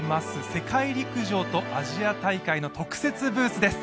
世界陸上とアジア大会の特設ブースです